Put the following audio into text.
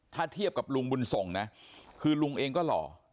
ถ้าเทียบกับลุงบุญส่งนะคือลุงเองก็หล่อ